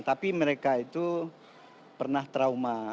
tapi mereka itu pernah trauma